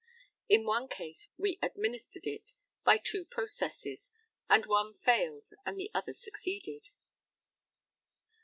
In one case we administered it by two processes, and one failed and the other succeeded.